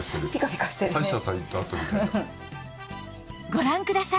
ご覧ください！